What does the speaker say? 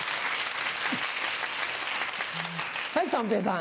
はい三平さん。